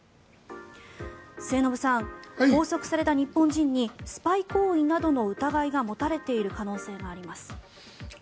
末延さん、拘束された日本人にスパイ行為などの疑いが持たれている可能性があります。